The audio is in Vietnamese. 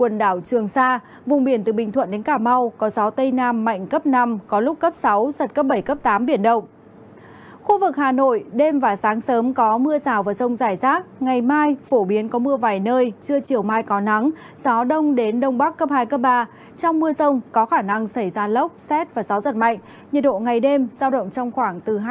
nhiệt độ ngày đêm giao động trong khoảng từ hai mươi năm đến ba mươi hai độ